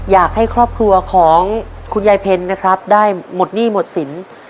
อยากให้ครอบครัวของคุณยายเพ็ญนะครับได้หมดหนี้หมดสิน